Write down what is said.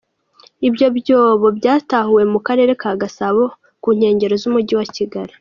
Ibyo byobo byatahuwe mu karere ka Gasabo, mu nkengero z'umujyi wa Kigali.